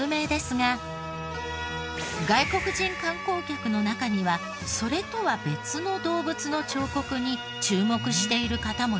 外国人観光客の中にはそれとは別の動物の彫刻に注目している方もいました。